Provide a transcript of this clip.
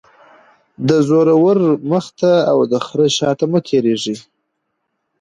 - د زورور مخ ته او دخره شاته مه تیریږه.